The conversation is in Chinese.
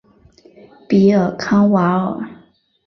比尔康瓦尔。